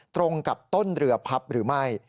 ตรงกับต้นเรือพับหรือไม่